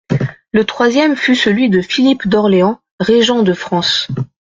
Le troisième fut celui de Philippe d'Orléans, régent de France.